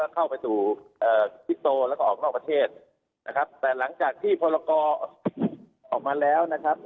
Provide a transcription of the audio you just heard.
เข้าไปสู่คิกโตแล้วก็ออกนอกประเทศนะครับแต่หลังจากที่พลกรออกมาแล้วนะครับ